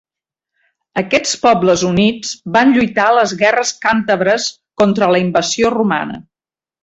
Aquests pobles units van lluitar a les guerres càntabres contra la invasió romana.